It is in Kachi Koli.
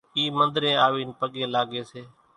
اِي منۮرين آوين پڳين لاڳي سي